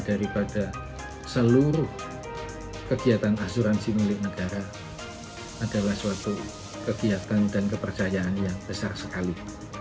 daripada seluruh kegiatan asuransi milik negara adalah suatu kegiatan dan kepercayaan yang besar sekali